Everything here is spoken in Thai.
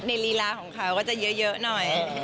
รีลาของเขาก็จะเยอะหน่อย